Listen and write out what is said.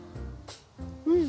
うん！